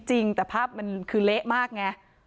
จริงแต่ภาพมันคือเละมากไง